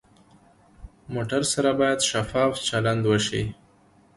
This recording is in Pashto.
موټر سره باید شفاف چلند وشي.